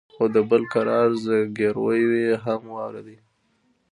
او د بل کرار زگيروي هم واورېدل.